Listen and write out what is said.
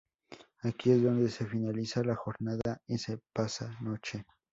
Aquí es donde se finaliza la jornada y se pasa noche.